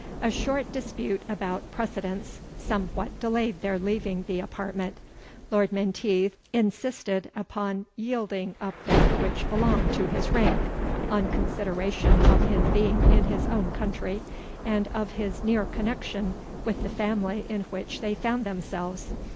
A short dispute about precedence somewhat delayed their leaving the apartment. Lord Menteith insisted upon yielding up that which belonged to his rank, on consideration of his being in his own country, and of his near connexion with the family in which they found themselves.